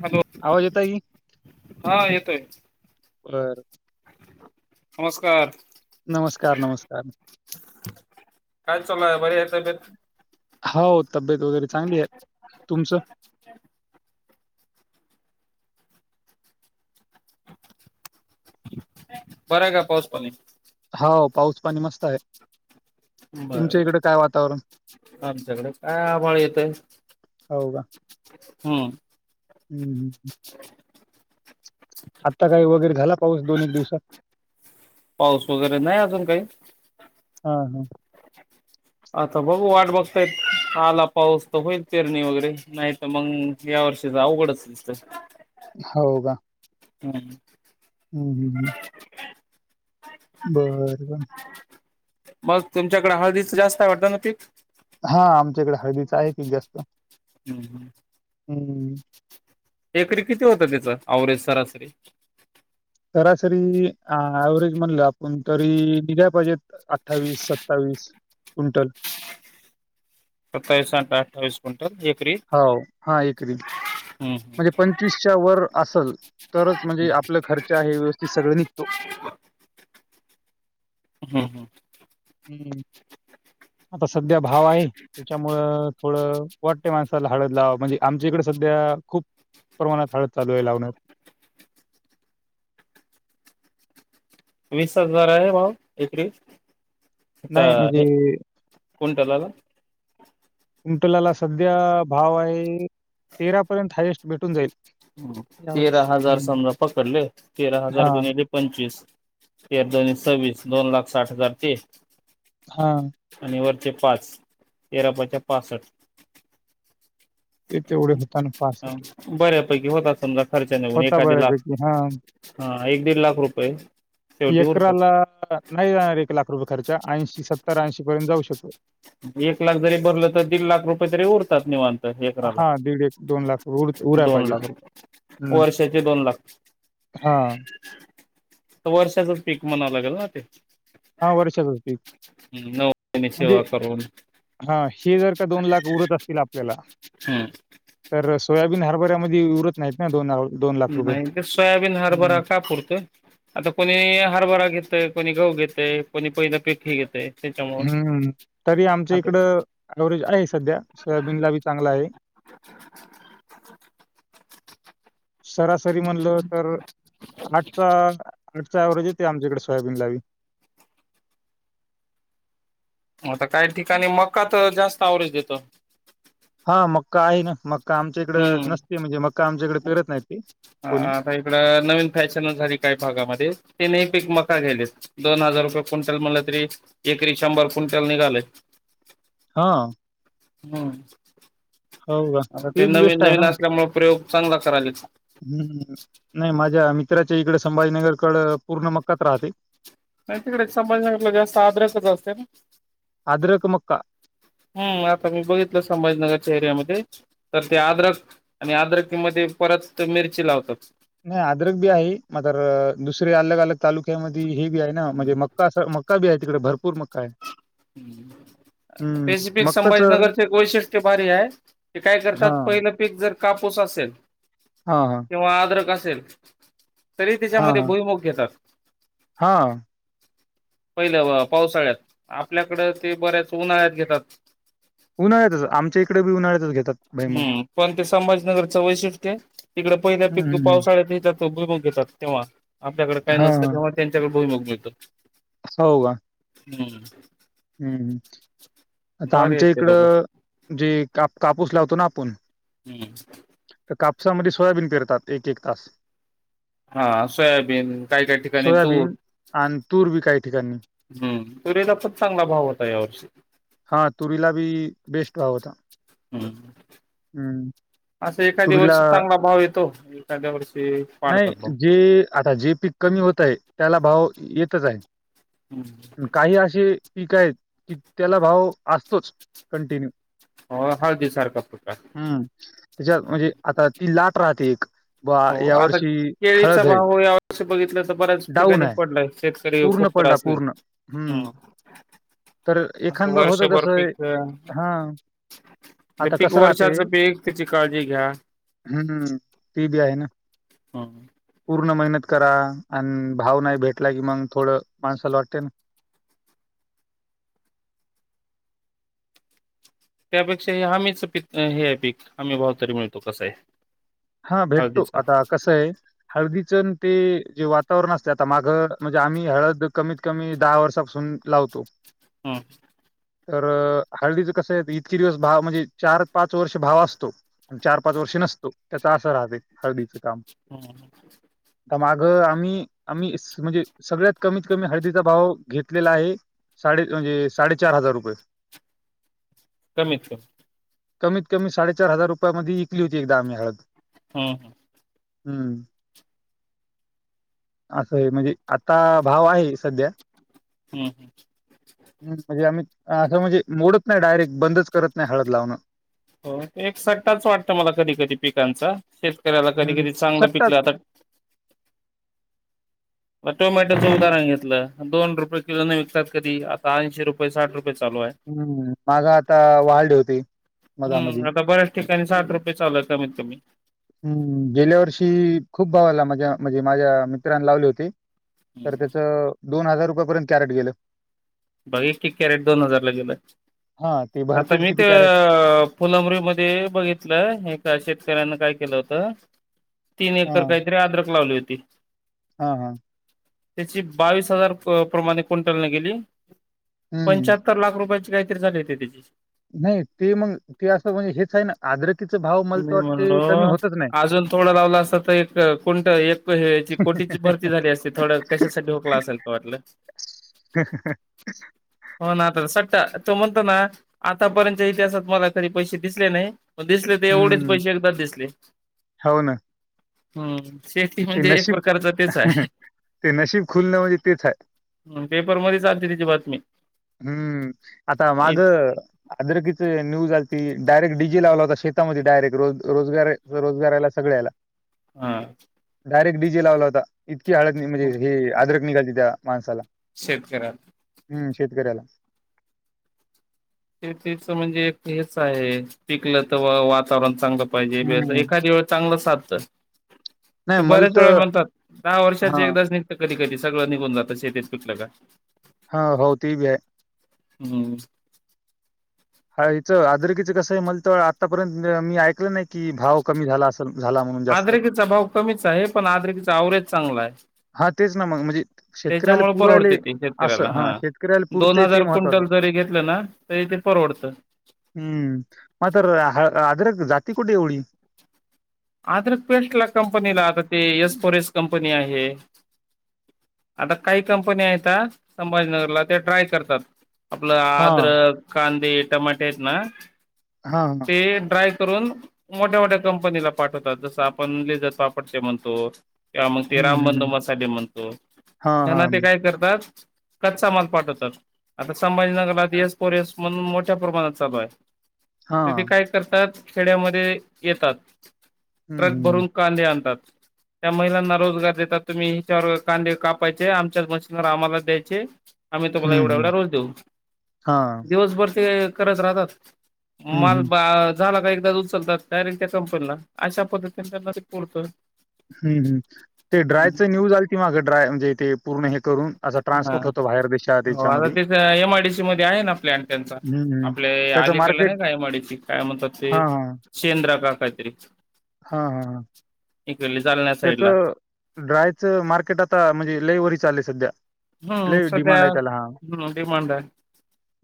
Hello आवाज येतयी हा येतोय बरं. नमस्कार. नमस्कार, नमस्कार. काय चालू आहे? बरी आहे तब्येत? हो, तब्येत वगैरे चांगली आहे. तुमचं? बरं का पाऊस पाणी. होवं पाऊस पाणी मस्त आहे तुमच्या बरं इकडे काय वातावर? आमच्याकडे काय आभळ येतयं. हो का हम्म, हम्म हम. आता काय वगैरे झाला पाऊस दोन एक दिवसात. पाऊस वगैरे नाही अजून काही हा हा. आता बघू वाट बघतायेत आला पाऊस तर होईल पेरणी वगैरे नाही तर मग या वर्षच अवघडचं दिसतं. हो का? हम् हम हम ह. बरं बरं. मग तुमच्याकडे हळदीचं जास्त आहे वाटतं ना पीक हा आमच्याकडे हळदीचा आहे जास्त. हम्म हम् हम् एककरी किती होतं त्याचं अवरेज सरासरी? सरासरी ऍव्हरेज म्हणलं आपण तरी निघाय पाहिजेत. अठ्ठावीस सत्तावीस क्विंटल. सत्तावीस अठ्ठवीस होवं हा एकरी. म्हणजे हम्म पंचवीसच्या वर असल तरच म्हणजे आपला खर्च हे व्यवस्थित सगळं निघतो. हम् हम् हम्म आता सध्या भाव आहे त्याच्यामुळं थोडं. वाटत्या माणसाला हळद लावा म्हणजे आमच्या इकडे सध्या खूप प्रमाणात हळद चालू आहे लावणार. वीस हजार आहे भाव इकडे. आता नाही म्हणजे हे कुंटला. कुंटल्याला सध्या भाव आहे तेरा पर्यंत हायस्ट भेटून जाईल. तेरा यावेळेस. हजार हं. समजा पकडले तेरा हजार हां, गुणले. पंचवीस तेरदुणे दोन सव्वीस दोन लाख साठ हजार ते. हा. आणि वरचे पाच तेरापाचे पासष्ट. ते तेवढे होता ना बऱ्या पैकी होता समजा खर्च निघन होता एखादी लाख. बऱ्यापैकी. हां. हा एक दीड लाख रुपये शेवटी उरतात. एकराला नाही जाणार एक लाख रुपये खर्चा ऐंशी सत्तर ऐंशी पर्यंत जाऊ शकतो. एक लाख जरी भरलं तर दीड लाख रुपये तरी उरतात निवांत. एकरा ला हां, दीड एक उर उरायला दोन पाहिजे. लाख रुपेयं वर्षाचे दोन लाख हा. वर्षाचं पीक म्हणाला ना ते. हा वर्षाचं पीक हम् नवनी सेवा करूनून. हा हे जर का दोन लाख उरत असतील आपल्याला? हा तर सोयाबीन, हरभर्यामध्ये उरत नाहीत ना दोन [unintelligible] दोन लाख रुपये. नाही ते सोयाबीन हम्म. हरभरा का पुरतोय. आता कोणी हरभरा घेतय, कोणी गहू घेतय, कोणी पहिलं पीक हे घेतय. त्याच्यामुळ हम्म तरी आमच्या आता इकडं अव्हरेज आहे सध्या सोयाबीन ला बी चांगला आहे. [inaudible] सरासरी म्हणलं तर आठचा आठचा ऍव्हरेज येतेय आमच्याइकड सोयाबीन ला बी आता काही ठिकाणी मका तर जास्त ऍव्हरेज देतो हा मक्का आहे ना मक्का आमच्या इकडे हम्म नसते म्हणजे मक्का आमच्याकडे पेरत नाही ती कोणी इकड नवीन फॅशनचं झाली काही भागामध्ये तेनेही पीक मका केलेत दोन हजार रुपये क्विंटल म्हणलं तरी एकरी शंभर क्विंटल निघालेत. हा हम हो का? आता ते बी नवीन बेस्ट नवीन असल्यामुळे प्रयोग चांगला करालेत हम् नाही माझ्या मित्राच्या इकडं संभाजीनगरकडं पूर्ण मक्काचं राहते नाही तिकडं संभाजीनगरला जास्त आद्रकचं असते ना अद्रक मक्का. हम्म आता मी बघितलं संभाजीनगरच्या एरियामध्ये तर ते अदरक आणि अदरक मध्ये परत मिरची लावतात नाही अदरक बी आहे मात्र दुसऱ्या अलग अलग तालुक्यामध्ये हे बी आहे ना म्हणजे मक्का असं म मक्का बी आहे तिकडं भरपूर मक्का आहे हम्म हं. त्याज्यापेक्ष मक्काचं संभाजीनगरच एक वैशिष्ट्य भारी हाय ते काय करतात हां, पहिलं पीक जर कापूस असेल हा हा. किंवा अदरक असेल तरीही त्याच्यामध्ये भुईमुग घेतात. हा पहिल्या पावसाळ्यात आपल्याकडं ते बऱ्याच उन्हाळ्यात घेतात. उन्हाळ्यातच आमच्या इकडं बी उन्हाळ्यातच घेतात. भुईमूग. हम्म पण ते संभाजीनगरचं वैशिष्ट्य तिकडं पहिलं हं, पीक हं, हं. पावसाळ्यात घेतात भुईमग घेतात तेव्हा आपल्याकडं काही हां, नसतं हां. तेव्हा त्यांच्याकडे भुईमग मिळतं. हो का? हम्म हम् आता भारी आहेत आमच्या ते लोक इकडं जे काप कापूस लावतो ना आपण हम्म तर कापसामध्ये सोयाबीन पेरतात एक एक तास हा सोयाबीन काही काही ठिकाणी तूर सोयाबीन आणि तूर बी काही ठिकाणी हम्म तुरीला पण चांगला भाव होता या वर्षी हा तुरीला बी बेस्ट भाव होता. हम्म हम्म. असं एखाद्या वर्षी चांगला भाव येतो एखाद्या वर्षी पाडतात भाव. ते आता जे पीक कमी होत आहे त्याला भाव येतच आहे. हं. काही असे पीक आहेत की त्याला भाव असतोच कंटिन्यू हो हळदी सारखा प्रकार हम्म, त्याच्यात म्हणजे आता ती लाट राहते एक. बा हो आता यावर्षी केळीचा हळद आहे भाव या वर्षी बघितलं त बऱ्याच डाऊन ठिकाणी आहे पडलाय शेत करी पूर्ण खूप पडला त्रासलेत. पूर्ण हम्म हा, तर अस एखादबार होत वर्षभर तसं पीक हा ते आता पीक कसं राहते वर्षाच पीक त्याची काळजी घ्या. हम्म, ते बी आहे ना, हा, पूर्ण मेहनत करा. आणि भाव नाही भेटला की मग थोडं माणसाला वाटते ना, त्यापेक्षा हे हामीच पीक हे आहे पीक हामी भाव तरी मिळतो कसा ही. हा भेटतो. आता कस आहे? हळदीचं ते जे वातावरण असते आता माग म्हणजे आम्ही हळद कमीत कमी दहा वर्षांपासू हम्म, लावतो. हम, तर हळदीचं कसं आहे? इतके दिवस भाव म्हणजे चार पाच वर्ष भाव असतो. चार पाच वर्ष नसतो. त्याचा असं राहते हळदीचं काम. [unintelligible] आता मागं आम्ही आम्ही स म्हणजे सगळ्यात कमीत कमी हळदीचा भाव घेतलेला आहे. साडे म्हणजे साडेचार हजार रुपये. [inaudible] कमीथ कमीत कमी साडेचार हजार रुपया मधी ईकली होती एकदा आम्ही हळद. ह ह, हम्, असं आहे म्हणजे आता भाव आहे संध्या हम्, हम, म्हणजे आम्ही असं म्हणजे मोडत नाही डायरेक्ट बंदच करत नाही हळद लावणं. हो. एक सट्टाच वाटतं मला कधी कधी पिकांचा, शेतकऱ्याला कधी हं, कधी चांगलं सट्टाच. पिकलं आता टोमॅटोचं उदाहरण घेतलं. दोन रुपये किलो न विकतात कधी आता ऐंशी रुपये साठ रुपये चालू आहे. हम्म, माग आता वाढले होते हम्म मधामधी. आता बऱ्याच ठिकाणी साठ रुपये चालू आहे. कमीत कमी हम्म, गेल्या वर्षी खूप भावाला माझ्या म्हणजे माझ्या मित्रांने लावले होते. तर हम्म त्याच दोन हजार रुपया पर्यत कॅरेट गेलं. बघ एक एक कॅरेट दोन हजारला गेलंय. हां, ते आता भरतेच मी किती त कॅरेट फुलाब्री मध्ये बघितलं. एका शेतकऱ्यांन काय केलं होतं. तीन एकर काय तरी अदरक लावली होती. हा हा, त्याची बावीस हजार प्रमाणे क्विंटलने गेली. हं, पंच्याहत्तर लाख रुपयाची काहीतरी झाली होती त्याची नाही ते मग ते असं म्हणजे हेच आहे ना, अद्रकीचे भाव मला तर मी म्हणलो, वाटते कमी होतच नाही. अजून थोडं लावलं असत त एक क्विंटल एक भयाची कोटीची भरती झाली असती थोडं कशासाठी हुकला असेल तर वाटलं ह..., हो ना, तर सट्टा तो म्हणतो ना, आतापर्यतच्या इतिहासात मला तरी पैसे दिसले नाही. दिसले एवढेच हं, पैसे एकदा दिसले. हो ना. हम्म शेती ते म्हणजे एक नशीब प्रकारच तेच आहे. ते नशीब खुललं म्हणजे तेच आहे. आहे पेपर मध्येच आलती तिची बातमी हम्म आता मागं अदरकीच न्यूज आली त डायरेक्ट डीजे लावला होता शेतामध्ये डायरेक्ट रोज रोजगार रोजगाराला सगळ्याला. हां. डायरेक्ट डीजे लावला होता. इतकी हळद म्हणजे हे आदरक निघाले त्या माणसाला. शेतकऱ्याला. हम्म शेतकऱ्याला. ते तच म्हणजे एक हेच आहे पिकलं तर वातावरण चांगलं. पाहिजें हम्म एखादी वेळ चांगलं साधंत. ते नाही बऱ्याच मलत वेळा म्हणतात दहा वर्षाच हा एकदाच निघत कधी कधी सगळं निघून जातं शेतीेत पिकलं का. हा हो त भी आहे. हम् हा हिचं आदरकीचं कसं? आहे म्हणत आतापर्यंत मी ऐकलं नाही. कि भाव कमी झाला असं झाला म्हणून जास्त. आद्रकीचा भाव कमीच आहे पण आद्रिकचा आवरेज चांगला आहे. हा तेच ना मग म्हणजे शेतकऱ्याला त्याच्यामुळे पुरायले परवडते ते असं शेतकऱ्याला हा शेतकऱ्याला दोन पुरते ते हजार महत्वाचं क्विंटल. जरी घेतलं ना तरी ते परवडत. हम्म मग तर ह आदरक जाती कुठे? एवढी आद्रक पेस्ट ला कंपनीला आता ते येस फोरेस कंपनी आहे. आता काही कंपनी येतात संभाजीनगरला ते ट्राय करतात. आपलं हाँ आद्रक, कांंदे, टमाटे, येत ना हां हां. ते ड्राय करून मोठ्या मोठ्या कंपनीला पाठवतात जस आपण लेजर पापडते म्हणतो. किंवा मग ते हम्म रामबंधू हम्म मसाले म्हणतो हाँ त्यांना हाँ ते काय? करतात. कच्चा माल पाठवतात. आता संभाजीनगरला येस पोरस म्हणून मोठ्या प्रमाणात चालू आहे. तेथे हाँ काय? करतात खेड्यामध्ये येतात हम्म ट्रक हम्म भरून. कांदे आणतात. त्या महिलांना रोजगार देतात. तुम्ही हिच्यावर कांदे कापायचे आमच्याच मशीनवर आम्हाला द्यायचे. आम्ही तुम्हाला एवढ्या हम्म एवढा रोज देऊ हाँ दिवसभर ते करत राहतात. हम्म माल हम्म झाला का एकदा उचलतात डायरेक्ट त्याचा अशा पद्धतीने त्यांना ते पुरतं. हम् ह् ते ड्राय च न्यूज आल त मागं ड्राय म्हणजे ते पूर्ण हे करून. असा हा ट्रान्सपोर्ट होतो बाहेर देशात हो आता याच्यामध्ये ते एमआयडीसी मध्ये आहे ना प्लॅन त्यांचा. हम्म हम्म आपल्या त्याचं आलीकडला मार्केट नाही काय एम आय डी सीत काय? म्हणतात. हां ते हां चेंद्र काकायत्री. हां हां ह साईडला त्याच ड्रायचं मार्केट आता म्हणजे लेईवरी चाललंय सध्या. हम्म लय सध्या डिमांड आहे त्याला हां हम् डिमांड आहे.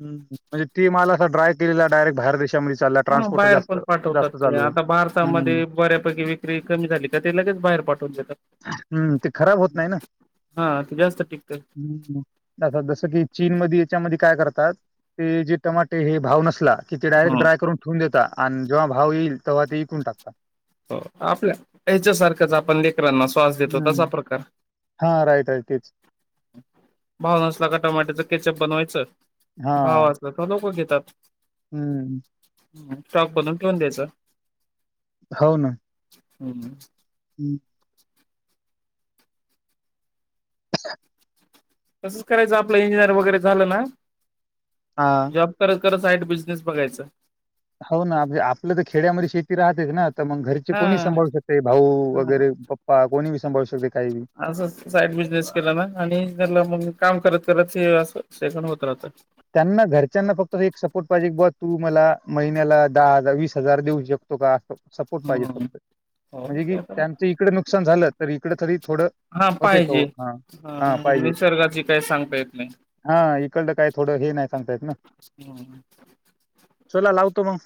म्हणजे तेी मला असाड्राय केलेला डायरेट बाहेर देशामध्ये चालला हा ट्रान्सपोर्ट बाहेर जास्त पण पाठवतात. जास्त ते चालू आहे. आता हम्म भारतामध्ये बऱ्यापैकी कमी झाली का त्यालाच बाहेर पाठवून देतात. हम्म ते खराब होत नाही ना हा ते जास्त टिकत ह्. आता जसं की चीनमध्ये याच्यामध्ये काय करतात, ते जे टमाटे हे, भाव नसला कि ते डारेक्ट हम्म ड्राय करून ठेवून देतात आणि जेव्हा भाव येईल, तेव्हा ते विकून टाकतात. हो, आपल्या ह्याच्यासारखंच. आपण लेकरांना श्वास देतो, तसा प्रकार. हा, राईट-राईट तेच. भाव नसला का टमॅट्याच केचप बनवायचं. हां. भाव असलं तर लोकं घेतात. हम्म. आणि स्टॉक बनून ठेऊन द्यायचं. हो ना. हम्म. हम्म. [inaudible] तसंच करायचं आपलं, इंजिनिअर वगैरे झालं ना, हां, जॉब करत-करत साईट बिझनेस बघायचं. हो ना! आपलं तर खेड्यामध्ये शेती राहतेच ना, तर मग घरचे हा कोणी सांभाळू शकते भाऊ हा वगैरे्. प कोणीबि सांभाळू शकते, काही बी. असं साईड बिजनेस केला ना, आणि त्याला मग काम करत-करत हे असं शिकण होत राहत. त्यांना घरच्यांना फक्त एक सपोर्ट पाहिजे की, बा तू मला महिन्याला दहा हजार वीस हजार देऊ शकतो? तो का सपोर्ट पाहिजे हम्म फक्त हो म्हणजे की, ते पण आहे. त्यांचं इकडं नुकसान झालं तर इकड तरी थोडं हा होतेत. पाहिजे हा-हा हा पाहिजे, निसर्गाची काही सांगता येत नाही हा इकड तर काय थोडं हे नाही सांगता येत ना? चला, लावतो मग.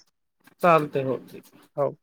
चालतयं. हो, ठिक आहे. हो.